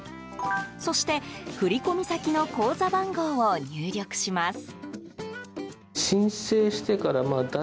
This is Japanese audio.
そして、振込先の口座番号を入力します。